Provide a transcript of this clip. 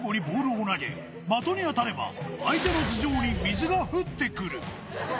交互にボールを投げ、的に当たれば相手の頭上に水が降ってくる。